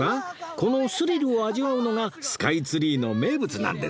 このスリルを味わうのがスカイツリーの名物なんです